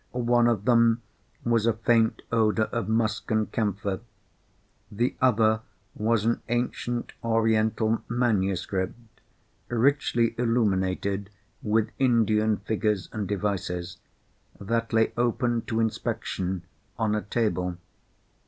One of them was a faint odour of musk and camphor. The other was an ancient Oriental manuscript, richly illuminated with Indian figures and devices, that lay open to inspection on a table.